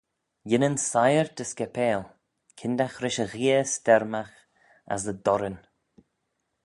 Yinnin siyr dy scapail: kyndagh rish y gheay stermagh as y dorrin.